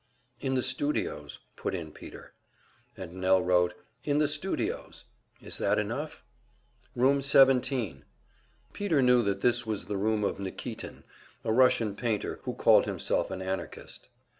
"In the studios," put in Peter. And Nell wrote, "In the studios. Is that enough?" "Room 17." Peter knew that this was the room of Nikitin, a Russian painter who called himself an Anarchist.